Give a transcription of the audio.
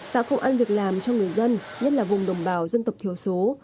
tạo công an việc làm cho người dân nhất là vùng đồng bào dân tộc thiếu số